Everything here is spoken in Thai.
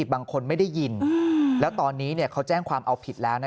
บางคนไม่ได้ยินแล้วตอนนี้เขาแจ้งความเอาผิดแล้ว